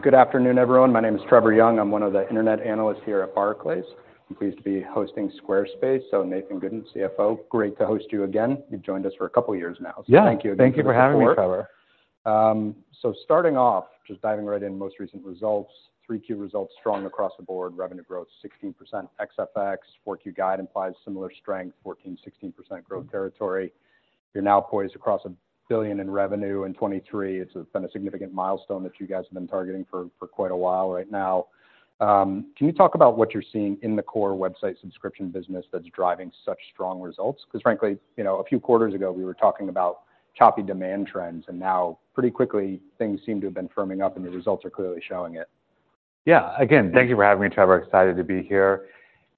Good afternoon, everyone. My name is Trevor Young. I'm one of the internet analysts here at Barclays. I'm pleased to be hosting Squarespace. So Nathan Gooden, CFO, great to host you again. You've joined us for a couple of years now. Yeah, thank you for having me, Trevor. So starting off, just diving right in, most recent results, Q3 results, strong across the board, revenue growth, 16% ex FX. Q4 guide implies similar strength, 14%-16% growth territory. You're now poised across $1 billion in revenue in 2023. It's been a significant milestone that you guys have been targeting for quite a while right now. Can you talk about what you're seeing in the core website subscription business that's driving such strong results? Because frankly, you know, a few quarters ago, we were talking about choppy demand trends, and now pretty quickly, things seem to have been firming up and the results are clearly showing it. Yeah. Again, thank you for having me, Trevor. Excited to be here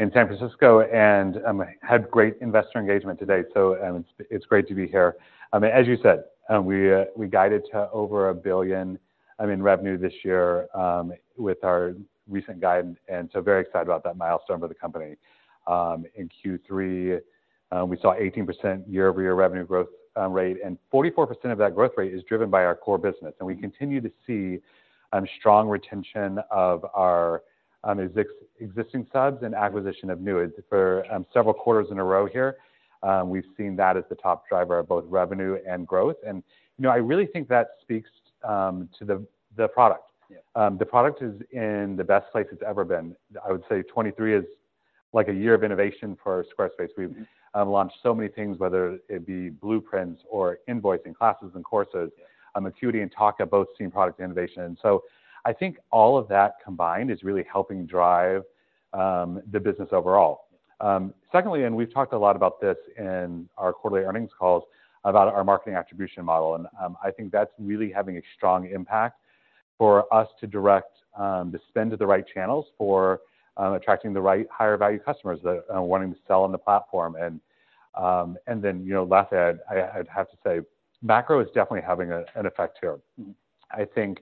in San Francisco, and had great investor engagement today, so it's great to be here. I mean, as you said, we guided to over $1 billion revenue this year with our recent guide, and so very excited about that milestone for the company. In Q3, we saw 18% year-over-year revenue growth rate, and 44% of that growth rate is driven by our core business, and we continue to see strong retention of our existing subs and acquisition of new. For several quarters in a row here, we've seen that as the top driver of both revenue and growth, and you know, I really think that speaks to the product. Yeah. The product is in the best place it's ever been. I would say 2023 is like a year of innovation for Squarespace. We've launched so many things, whether it be Blueprints or invoicing, classes and courses. Yeah. Acuity and Tock have both seen product innovation, so I think all of that combined is really helping drive the business overall. Secondly, and we've talked a lot about this in our quarterly earnings calls about our marketing attribution model, and I think that's really having a strong impact for us to direct the spend to the right channels for attracting the right higher value customers that are wanting to sell on the platform. And then, you know, lastly, I'd have to say macro is definitely having an effect here. Mm-hmm. I think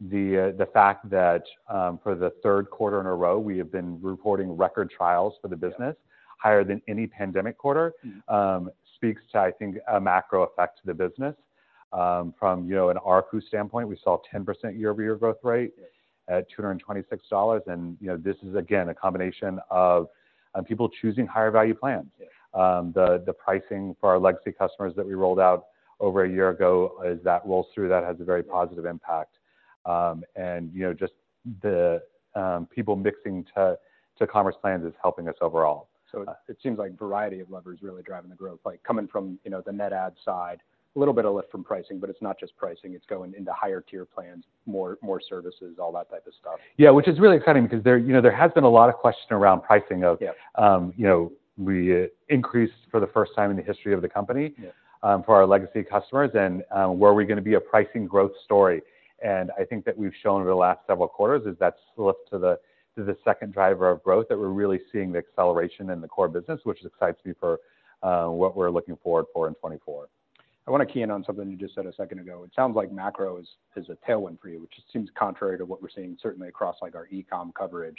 the fact that for the third quarter in a row, we have been reporting record trials for the business- Yeah... higher than any pandemic quarter, speaks to, I think, a macro effect to the business. From, you know, an ARPU standpoint, we saw a 10% year-over-year growth rate- Yeah... at $226, and, you know, this is, again, a combination of, people choosing higher value plans. Yeah. The pricing for our legacy customers that we rolled out over a year ago, as that rolls through, that has a very positive impact. And, you know, just the people mixing to commerce plans is helping us overall. So it seems like variety of levers really driving the growth, like coming from, you know, the net ad side, a little bit of lift from pricing, but it's not just pricing, it's going into higher tier plans, more, more services, all that type of stuff. Yeah, which is really exciting because there, you know, there has been a lot of question around pricing of... Yeah... you know, we increased for the first time in the history of the company- Yeah... for our legacy customers, and, were we gonna be a pricing growth story? And I think that we've shown over the last several quarters is that slip to the, to the second driver of growth, that we're really seeing the acceleration in the core business, which excites me for, what we're looking forward for in 2024. I wanna key in on something you just said a second ago. It sounds like macro is a tailwind for you, which seems contrary to what we're seeing, certainly across, like, our e-com coverage.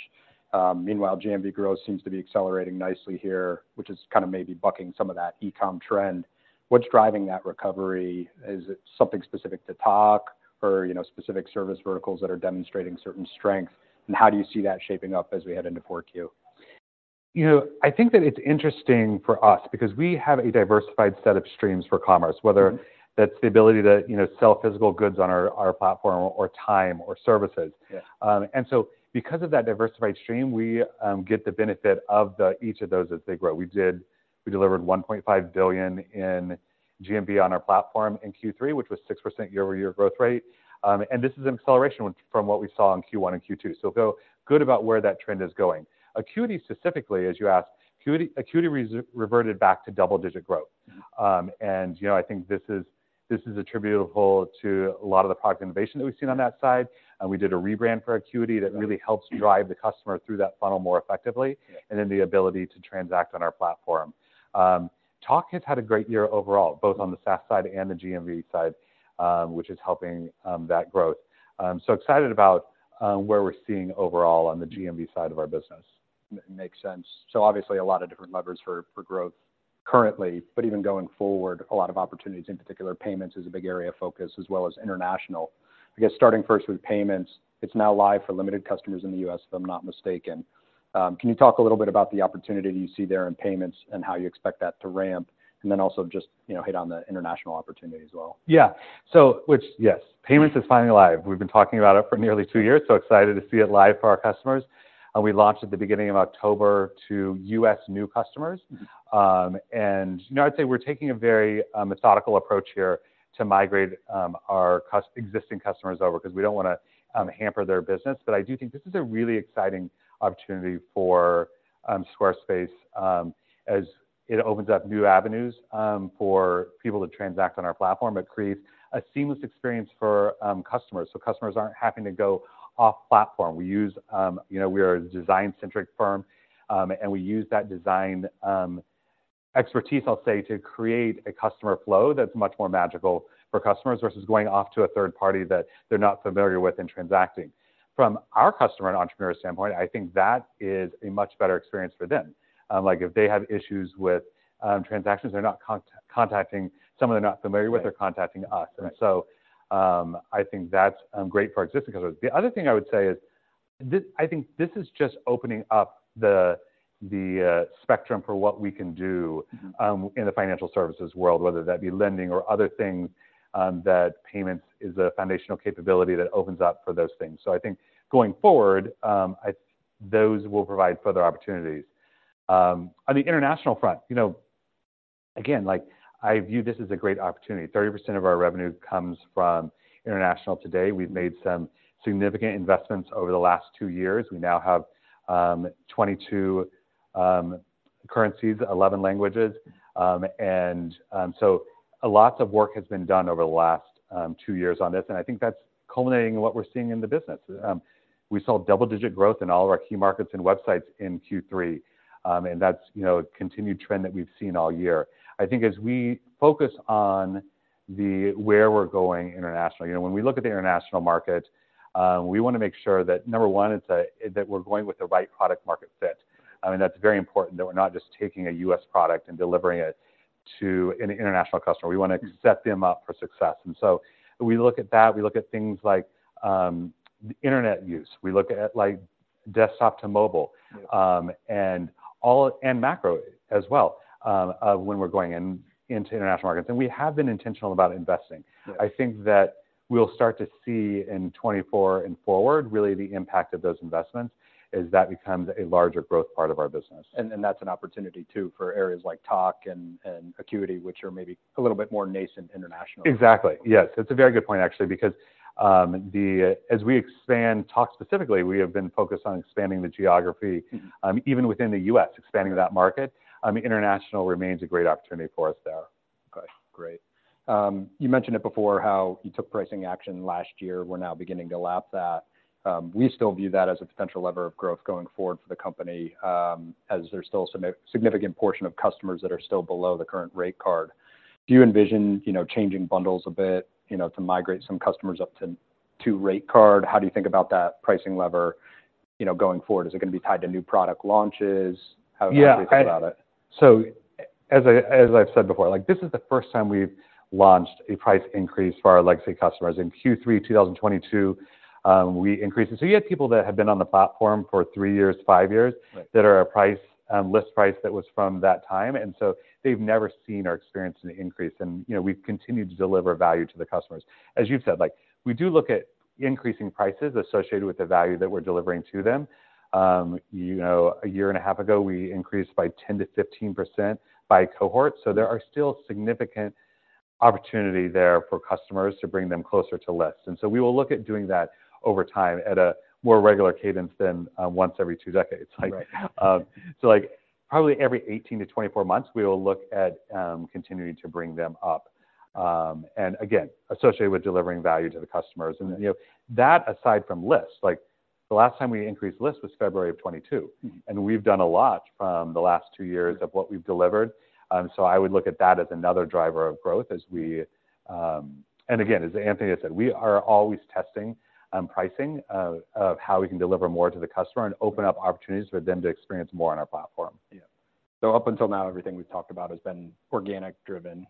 Meanwhile, GMV growth seems to be accelerating nicely here, which is kinda maybe bucking some of that e-com trend. What's driving that recovery? Is it something specific to Tock or, you know, specific service verticals that are demonstrating certain strength? And how do you see that shaping up as we head into 4Q? You know, I think that it's interesting for us because we have a diversified set of streams for commerce- Mm-hmm... whether that's the ability to, you know, sell physical goods on our platform or time or services. Yeah. Because of that diversified stream, we get the benefit of each of those as they grow. We delivered $1.5 billion in GMV on our platform in Q3, which was 6% year-over-year growth rate. And this is an acceleration from what we saw in Q1 and Q2, so feel good about where that trend is going. Acuity specifically, as you asked, Acuity reverted back to double-digit growth. And, you know, I think this is attributable to a lot of the product innovation that we've seen on that side. And we did a rebrand for Acuity that really helps drive the customer through that funnel more effectively. Yeah... and then the ability to transact on our platform. Tock has had a great year overall, both on the SaaS side and the GMV side, which is helping that growth. So excited about where we're seeing overall on the GMV side of our business. Makes sense. So obviously, a lot of different levers for, for growth currently, but even going forward, a lot of opportunities, in particular, payments is a big area of focus, as well as international. I guess starting first with payments, it's now live for limited customers in the U.S., if I'm not mistaken. Can you talk a little bit about the opportunity you see there in payments and how you expect that to ramp? And then also just, you know, hit on the international opportunity as well. Yeah. So yes, payments is finally live. We've been talking about it for nearly two years, so excited to see it live for our customers. We launched at the beginning of October to U.S. new customers. And, you know, I'd say we're taking a very methodical approach here to migrate our existing customers over, 'cause we don't wanna hamper their business. But I do think this is a really exciting opportunity for Squarespace, as it opens up new avenues for people to transact on our platform. It creates a seamless experience for customers, so customers aren't having to go off-platform. We use...You know, we are a design-centric firm, and we use that design expertise, I'll say, to create a customer flow that's much more magical for customers versus going off to a third party that they're not familiar with in transacting. From our customer and entrepreneur standpoint, I think that is a much better experience for them. Like if they have issues with transactions, they're not contacting someone they're not familiar with- Right... they're contacting us. Right. And so, I think that's great for our existing customers. The other thing I would say is this, I think, is just opening up the spectrum for what we can do in the financial services world, whether that be lending or other things, that payments is a foundational capability that opens up for those things. So I think going forward, those will provide further opportunities. On the international front, you know, again, like, I view this as a great opportunity. 30% of our revenue comes from international today. We've made some significant investments over the last two years. We now have 22 currencies, 11 languages, and so a lot of work has been done over the last two years on this, and I think that's culminating in what we're seeing in the business. We saw double-digit growth in all of our key markets and websites in Q3, and that's, you know, a continued trend that we've seen all year. I think as we focus on the where we're going internationally, you know, when we look at the international market, we wanna make sure that, number one, it's that we're going with the right product market fit. I mean, that's very important, that we're not just taking a U.S. product and delivering it to an international customer. We wanna set them up for success. And so we look at that. We look at things like internet use. We look at, like, desktop to mobile, and macro as well, when we're going in, into international markets, and we have been intentional about investing. Yes. I think that we'll start to see in 2024 and forward, really the impact of those investments as that becomes a larger growth part of our business. And that's an opportunity, too, for areas like Tock and Acuity, which are maybe a little bit more nascent internationally. Exactly. Yes. That's a very good point, actually, because as we expand Tock specifically, we have been focused on expanding the geography, even within the U.S., expanding that market. International remains a great opportunity for us there. Okay, great. You mentioned it before, how you took pricing action last year. We're now beginning to lap that. We still view that as a potential lever of growth going forward for the company, as there's still a significant portion of customers that are still below the current rate card. Do you envision, you know, changing bundles a bit, you know, to migrate some customers up to rate card? How do you think about that pricing lever, you know, going forward? Is it gonna be tied to new product launches? How do you think about it? Yeah. So as I, as I've said before, like, this is the first time we've launched a price increase for our legacy customers. In Q3, 2022, we increased it. So you had people that had been on the platform for three years, five years- Right... that are our price, list price that was from that time, and so they've never seen or experienced an increase, and, you know, we've continued to deliver value to the customers. As you've said, like, we do look at increasing prices associated with the value that we're delivering to them. You know, a year and a half ago, we increased by 10%-15% by cohort, so there are still significant opportunity there for customers to bring them closer to list. And so we will look at doing that over time at a more regular cadence than once every two decades. Right. So, like, probably every 18-24 months, we will look at continuing to bring them up, and again, associated with delivering value to the customers. Right. You know, that aside from list, like the last time we increased list was February of 2022. Mm-hmm. We've done a lot from the last two years- Right... of what we've delivered. I would look at that as another driver of growth as we and again, as Anthony said, we are always testing pricing of how we can deliver more to the customer and open up opportunities for them to experience more on our platform. Yeah. So up until now, everything we've talked about has been organic driven.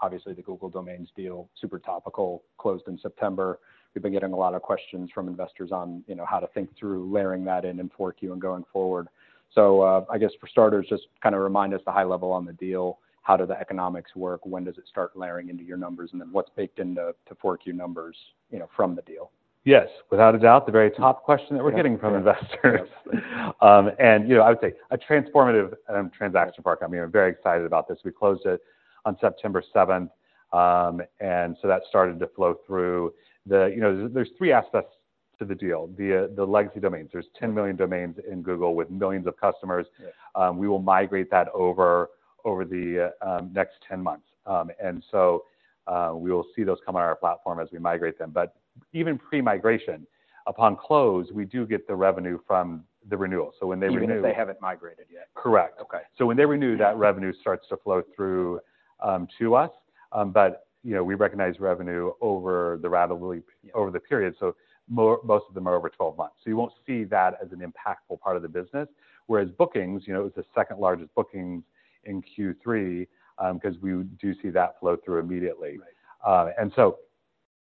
Obviously, the Google Domains deal, super topical, closed in September. We've been getting a lot of questions from investors on, you know, how to think through layering that in in Q4 and going forward. So, I guess, for starters, just kind of remind us the high level on the deal. How do the economics work? When does it start layering into your numbers? And then what's baked into the Q4 numbers, you know, from the deal? Yes, without a doubt, the very top question that we're getting from investors. Yep. And, you know, I would say a transformative transaction for our company. I'm very excited about this. We closed it on September 7th, and so that started to flow through. You know, there's three aspects to the deal: the legacy domains. There's 10 million domains in Google with millions of customers. Yeah. We will migrate that over the next 10 months. We will see those come on our platform as we migrate them. But even pre-migration, upon close, we do get the revenue from the renewal. So when they renew- Even if they haven't migrated yet? Correct. Okay. So when they renew, that revenue starts to flow through, to us. But, you know, we recognize revenue over the rather really- Yeah... over the period, so most of them are over 12 months. So you won't see that as an impactful part of the business, whereas bookings, you know, it was the second largest bookings in Q3, 'cause we do see that flow through immediately. Right. And so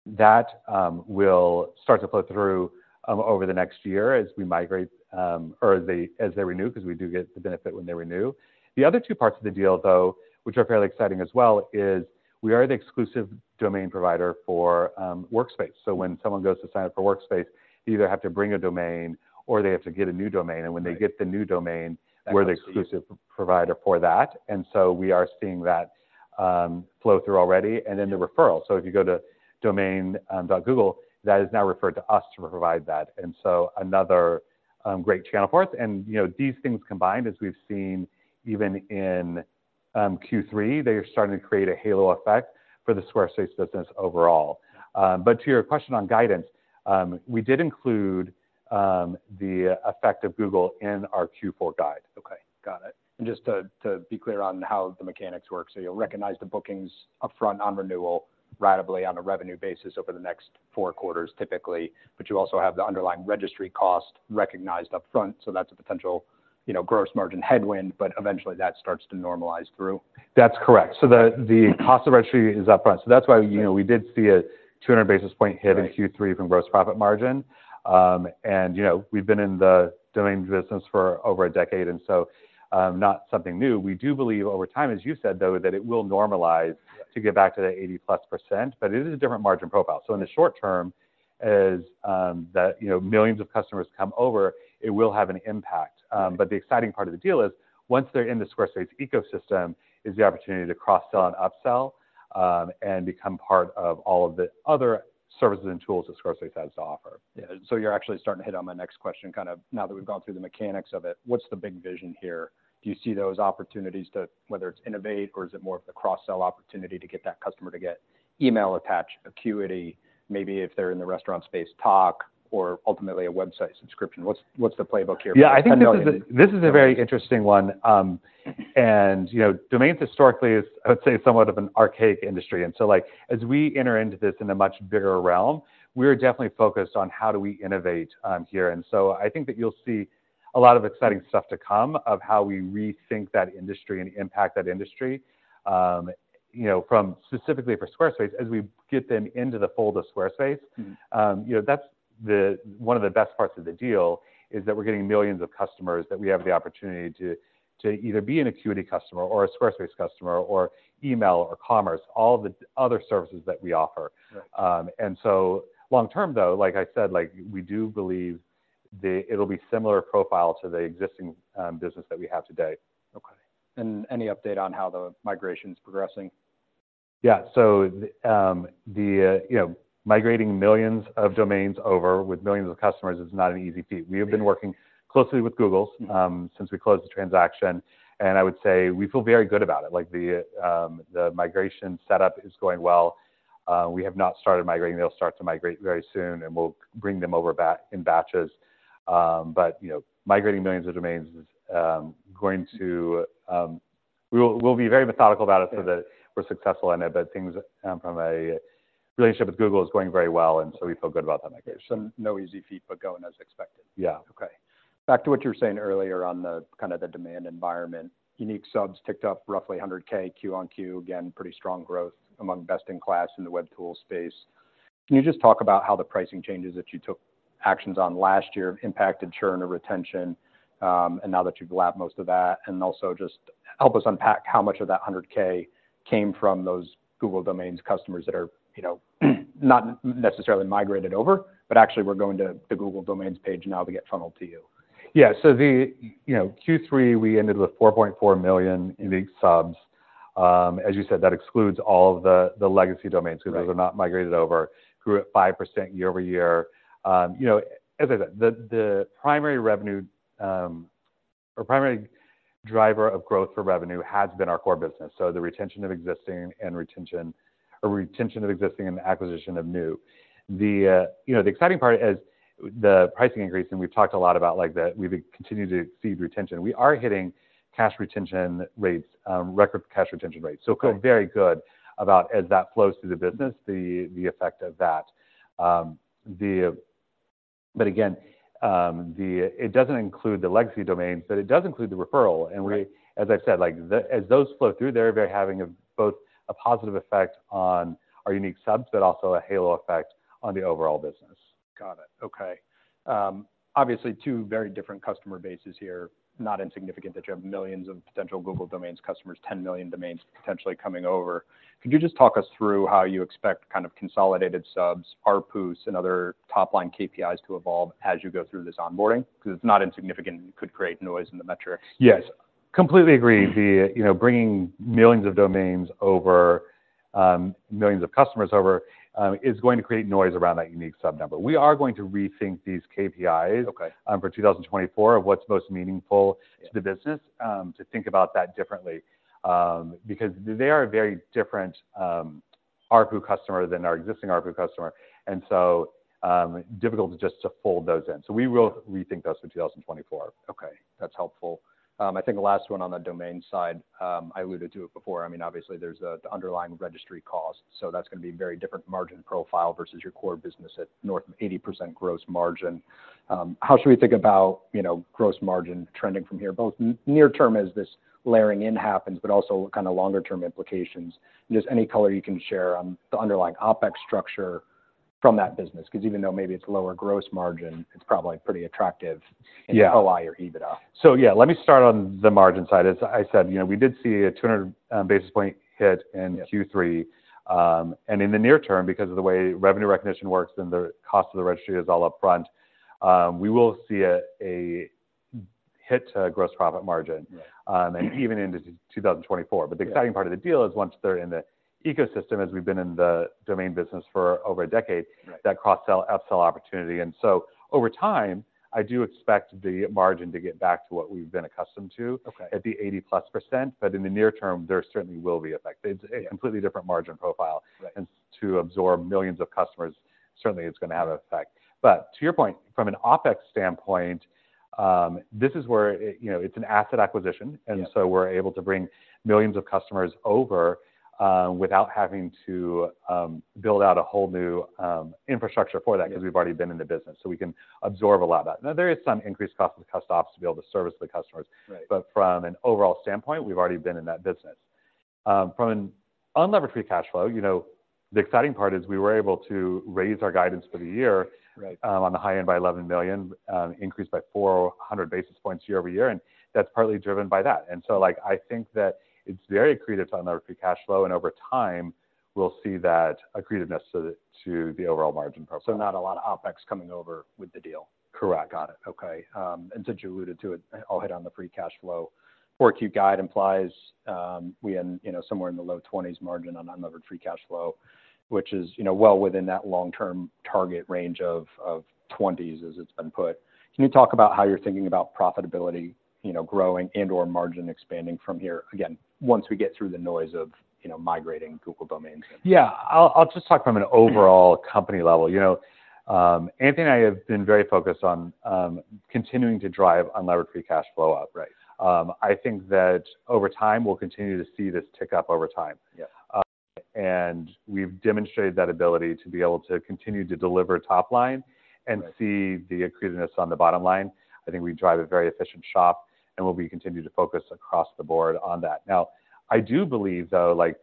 that will start to flow through over the next year as we migrate or as they, as they renew, 'cause we do get the benefit when they renew. The other two parts of the deal, though, which are fairly exciting as well, is we are the exclusive domain provider for Workspace. So when someone goes to sign up for Workspace, you either have to bring a domain or they have to get a new domain. Right. When they get the new domain, we're the exclusive provider for that, and so we are seeing that flow through already and then the referral. So if you go to domain dot google, that is now referred to us to provide that, and so another great channel for us. You know, these things combined, as we've seen even in Q3, they are starting to create a halo effect for the Squarespace business overall. But to your question on guidance, we did include the effect of Google in our Q4 guide. Okay, got it. Just to be clear on how the mechanics work, so you'll recognize the bookings upfront on renewal ratably on a revenue basis over the next four quarters, typically, but you also have the underlying registry cost recognized upfront, so that's a potential, you know, gross margin headwind, but eventually, that starts to normalize through? That's correct. So the cost of registry is upfront. So that's why, you know, we did see a 200 basis point hit- Right... in Q3 from Gross Profit Margin. And, you know, we've been in the domains business for over a decade, and so, not something new. We do believe over time, as you said, though, that it will normalize- Yeah... to get back to the 80%+, but it is a different margin profile. So in the short term is, that, you know, millions of customers come over, it will have an impact. But the exciting part of the deal is once they're in the Squarespace ecosystem, is the opportunity to cross-sell and upsell, and become part of all of the other services and tools that Squarespace has to offer. Yeah. So you're actually starting to hit on my next question, kind of now that we've gone through the mechanics of it, what's the big vision here? Do you see those opportunities to, whether it's innovate or is it more of the cross-sell opportunity to get that customer to get email attached, Acuity, maybe if they're in the restaurant space, Tock, or ultimately, a website subscription, what's, what's the playbook here? Yeah, I think this is a, this is a very interesting one. And, you know, domains historically is, I would say, somewhat of an archaic industry, and so, like, as we enter into this in a much bigger realm, we're definitely focused on how do we innovate, here. And so I think that you'll see a lot of exciting stuff to come of how we rethink that industry and impact that industry, you know, from specifically for Squarespace, as we get them into the fold of Squarespace- Mm-hmm... you know, that's one of the best parts of the deal, is that we're getting millions of customers that we have the opportunity to either be an Acuity customer or a Squarespace customer or email or commerce, all the other services that we offer. Right. And so long term, though, like I said, like, we do believe the... it'll be similar profile to the existing business that we have today. Okay. Any update on how the migration is progressing? Yeah. So, you know, migrating millions of domains over with millions of customers is not an easy feat. Right. We have been working closely with Google, since we closed the transaction, and I would say we feel very good about it. Like, the migration setup is going well. We have not started migrating. They'll start to migrate very soon, and we'll bring them over in batches. But, you know, migrating millions of domains is going to, we'll be very methodical about it- Yeah... so that we're successful in it, but things from a relationship with Google is going very well, and so we feel good about that migration. No easy feat, but going as expected. Yeah. Okay. Back to what you were saying earlier on the kind of the demand environment, unique subs ticked up roughly 100K, QoQ. Again, pretty strong growth among best-in-class in the web tool space. Can you just talk about how the pricing changes that you took actions on last year impacted churn or retention, and now that you've lapped most of that, and also just help us unpack how much of that 100K came from those Google Domains customers that are, you know, not necessarily migrated over, but actually were going to the Google Domains page now to get funneled to you? Yeah. So, you know, Q3, we ended with 4.4 million unique subs. As you said, that excludes all of the legacy domains. Right... because those are not migrated over, grew at 5% year-over-year. You know, as I said, the primary revenue or primary driver of growth for revenue has been our core business, so the retention of existing and acquisition of new. You know, the exciting part is the pricing increase, and we've talked a lot about like the, we've continued to exceed retention. We are hitting cash retention rates, record cash retention rates. Right. So feel very good about as that flows through the business, the effect of that. But again, it doesn't include the legacy domains, but it does include the referral. Right. As I've said, like, as those flow through there, they're having both a positive effect on our unique subs, but also a halo effect on the overall business. Got it. Okay. Obviously, two very different customer bases here, not insignificant, that you have millions of potential Google Domains customers, 10 million domains potentially coming over. Could you just talk us through how you expect kind of consolidated subs, ARPU, and other top-line KPIs to evolve as you go through this onboarding? Because it's not insignificant, and it could create noise in the metric. Yes, completely agree. The, you know, bringing millions of domains over, millions of customers over, is going to create noise around that unique subs number. We are going to rethink these KPIs- Okay... for 2024 of what's most meaningful- Yeah... to the business, to think about that differently. Because they are a very different ARPU customer than our existing ARPU customer, and so, difficult to just to fold those in. So we will rethink those for 2024. Okay, that's helpful. I think the last one on the domain side, I alluded to it before. I mean, obviously, there's the underlying registry cost, so that's gonna be a very different margin profile versus your core business at north of 80% gross margin. How should we think about, you know, gross margin trending from here, both near term as this layering in happens, but also what kind of longer-term implications? And just any color you can share on the underlying OpEx structure from that business, because even though maybe it's lower gross margin, it's probably pretty attractive- Yeah... in OI or EBITDA. So yeah, let me start on the margin side. As I said, you know, we did see a 200 basis point hit in- Yeah... Q3. And in the near term, because of the way revenue recognition works and the cost of the registry is all upfront, we will see a hit to gross profit margin- Right. And even into 2024. Yeah. The exciting part of the deal is once they're in the ecosystem, as we've been in the domain business for over a decade. Right... that cross-sell, upsell opportunity. And so over time, I do expect the margin to get back to what we've been accustomed to- Okay... at the 80%+, but in the near term, there certainly will be effect. It's a completely different margin profile. Right. And to absorb millions of customers, certainly it's gonna have an effect. But to your point, from an OpEx standpoint, this is where it, you know, it's an asset acquisition. Yeah. And so we're able to bring millions of customers over without having to build out a whole new infrastructure for that- Yeah... 'cause we've already been in the business, so we can absorb a lot of that. Now, there is some increased cost of the cost ops to be able to service the customers. Right. But from an overall standpoint, we've already been in that business. From an Unlevered Free Cash Flow, you know, the exciting part is we were able to raise our guidance for the year. Right... on the high end by $11 million, increased by 400 basis points year-over-year, and that's partly driven by that. And so, like, I think that it's very accretive to unlevered free cash flow, and over time, we'll see that accretiveness to the, to the overall margin profile. Not a lot of OpEx coming over with the deal? Correct. Got it. Okay. And since you alluded to it, I'll hit on the free cash flow. Q4 guide implies, we in, you know, somewhere in the low-20s margin on unlevered free cash flow, which is, you know, well within that long-term target range of twenties, as it's been put. Can you talk about how you're thinking about profitability, you know, growing and/or margin expanding from here, again, once we get through the noise of, you know, migrating Google Domains? Yeah. I'll just talk from an overall company level. You know, Anthony and I have been very focused on continuing to drive Unlevered Free Cash Flow out. Right. I think that over time, we'll continue to see this tick up over time. Yeah. and we've demonstrated that ability to be able to continue to deliver top line- Right... and see the accretiveness on the bottom line. I think we drive a very efficient shop, and we'll be continuing to focus across the board on that. Now, I do believe, though, like,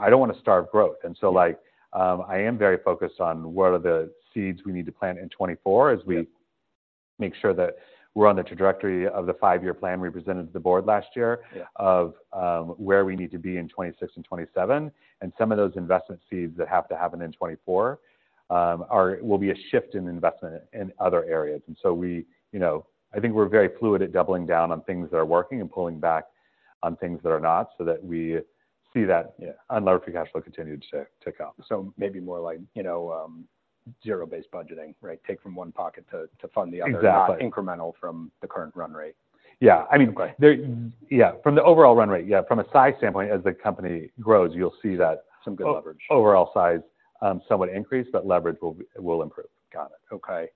I don't wanna starve growth, and so, like- Yeah... I am very focused on what are the seeds we need to plant in 2024 as we- Yeah... make sure that we're on the trajectory of the five-year plan we presented to the board last year- Yeah... of where we need to be in 2026 and 2027. And some of those investment seeds that have to happen in 2024 are will be a shift in investment in other areas. And so we, you know, I think we're very fluid at doubling down on things that are working and pulling back on things that are not, so that we see that- Yeah... Unlevered Free Cash Flow continue to tick, tick up. So maybe more like, you know, zero-based budgeting, right? Take from one pocket to fund the other. Exactly. Not incremental from the current run rate. Yeah. I mean- Okay. Yeah, from the overall run rate, yeah. From a size standpoint, as the company grows, you'll see that- Some good leverage.... overall size, somewhat increase, but leverage will improve. Got it. Okay.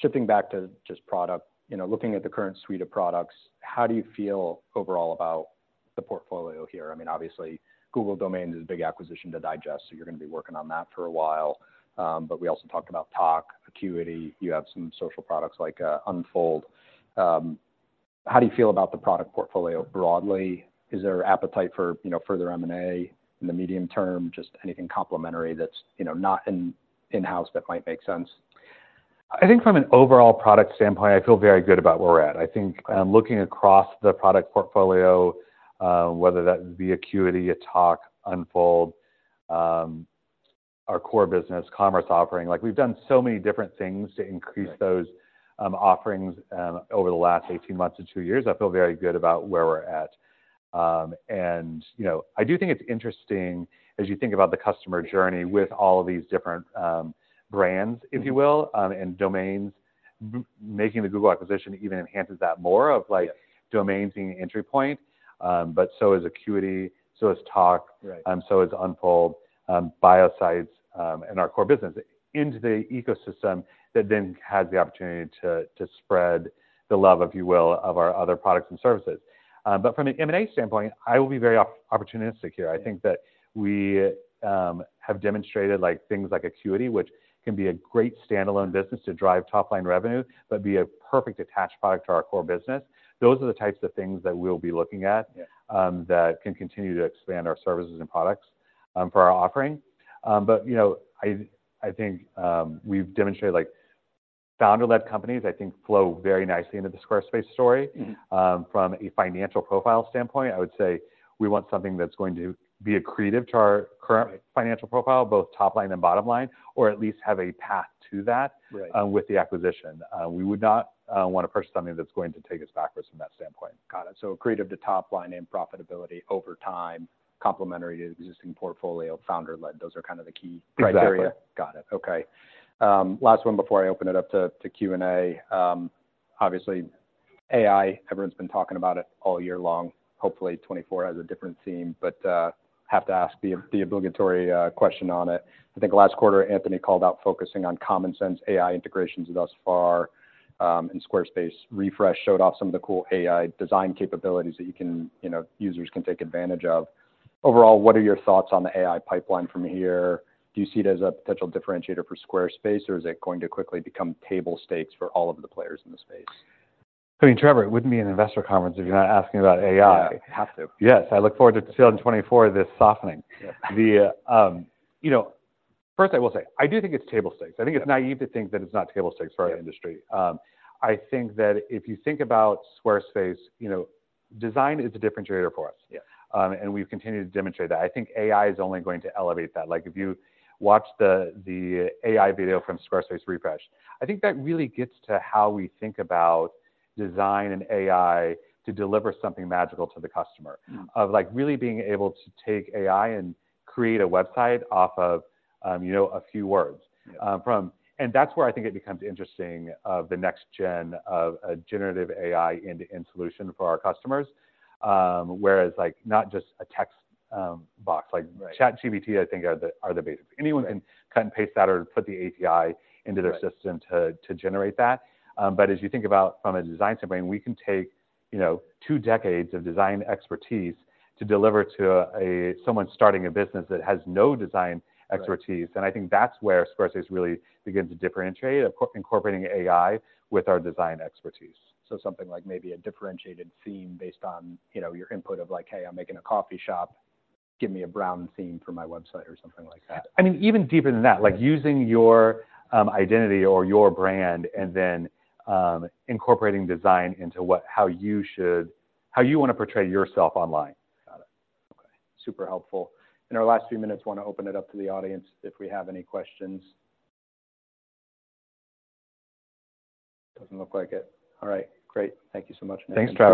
Shifting back to just product, you know, looking at the current suite of products, how do you feel overall about the portfolio here? I mean, obviously, Google Domains is a big acquisition to digest, so you're gonna be working on that for a while. But we also talked about Tock, Acuity. You have some social products like Unfold. How do you feel about the product portfolio broadly? Is there appetite for, you know, further M&A in the medium term? Just anything complementary that's, you know, not in-house that might make sense. I think from an overall product standpoint, I feel very good about where we're at. I think, looking across the product portfolio, whether that be Acuity, Tock, Unfold, our core business, commerce offering, like, we've done so many different things to increase those- Right... offerings, over the last 18 months to two years. I feel very good about where we're at. And, you know, I do think it's interesting as you think about the customer journey with all of these different, brands, if you will- Mm-hmm... and domains. Making the Google acquisition even enhances that more of like- Yeah... domains being an entry point, but so is Acuity, so is Tock Right... so is Unfold, Bio Sites, and our core business. Into the ecosystem that then has the opportunity to spread the love, if you will, of our other products and services. But from an M&A standpoint, I will be very opportunistic here. Yeah. I think that we have demonstrated like things like Acuity, which can be a great standalone business to drive top-line revenue, but be a perfect attached product to our core business. Those are the types of things that we'll be looking at. Yeah... that can continue to expand our services and products for our offering. But, you know, I think we've demonstrated, like, founder-led companies, I think, flow very nicely into the Squarespace story. Mm-hmm. From a financial profile standpoint, I would say we want something that's going to be accretive to our current- Right... financial profile, both top line and bottom line, or at least have a path to that- Right... with the acquisition. We would not want to purchase something that's going to take us backwards from that standpoint. Got it. So accretive to top line and profitability over time, complementary to the existing portfolio, founder-led, those are kind of the key- Exactly... criteria? Got it. Okay. Last one before I open it up to, to Q&A. Obviously, AI, everyone's been talking about it all year long. Hopefully, 2024 has a different theme, but, have to ask the, the obligatory, question on it. I think last quarter, Anthony called out focusing on common sense AI integrations thus far, and Squarespace Refresh showed off some of the cool AI design capabilities that you can, you know, users can take advantage of. Overall, what are your thoughts on the AI pipeline from here? Do you see it as a potential differentiator for Squarespace, or is it going to quickly become table stakes for all of the players in the space? I mean, Trevor, it wouldn't be an investor conference if you're not asking about AI. Yeah, I have to. Yes, I look forward to seeing in 2024 this softening. Yeah. You know, first I will say, I do think it's table stakes. Yeah. I think it's naive to think that it's not table stakes for our industry. Yeah. I think that if you think about Squarespace, you know, design is a differentiator for us. Yeah. And we've continued to demonstrate that. I think AI is only going to elevate that. Like, if you watch the AI video from Squarespace Refresh, I think that really gets to how we think about design and AI to deliver something magical to the customer- Mm-hmm... of, like, really being able to take AI and create a website off of, you know, a few words. Yeah. That's where I think it becomes interesting of the next gen of a generative AI end-to-end solution for our customers. Whereas, like, not just a text box- Right... like, ChatGPT, I think, are the basics. Right. Anyone can cut and paste that or put the API into their system- Right... to generate that. But as you think about from a design standpoint, we can take, you know, two decades of design expertise to deliver to a someone starting a business that has no design expertise. Right. I think that's where Squarespace really begins to differentiate, incorporating AI with our design expertise. So something like maybe a differentiated theme based on, you know, your input of like, "Hey, I'm making a coffee shop. Give me a brown theme for my website," or something like that? I mean, even deeper than that, like using your identity or your brand and then incorporating design into what, how you wanna portray yourself online. Got it. Okay, super helpful. In our last few minutes, wanna open it up to the audience if we have any questions. Doesn't look like it. All right, great. Thank you so much,. Thanks, Trevor.